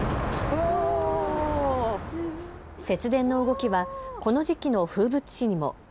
節電の動きはこの時期の風物詩にも。